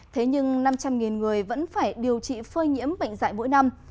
thế nhưng năm trăm linh nghìn người vẫn phải điều trị phơi nhiễm bệnh dại mỗi năm